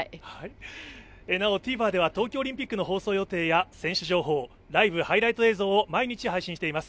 なおＴＶｅｒでは東京オリンピックの放送予定や選手情報ライブ・ハイライト映像を毎日配信しています。